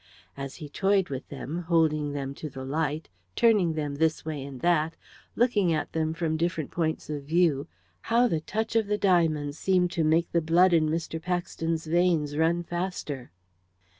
As he toyed with them, holding them to the light, turning them this way and that, looking at them from different points of view, how the touch of the diamonds seemed to make the blood in Mr. Paxton's veins run faster!